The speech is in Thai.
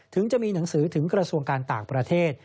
ถึงจะมีหนังสือถึงกระทรวงการต่างประเทศ